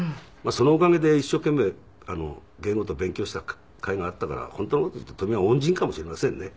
そのおかげで一生懸命芸事勉強した甲斐があったから本当の事を言うと富美男は恩人かもしれませんね。